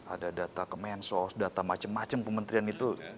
ada data kemensos data macam macam kementerian itu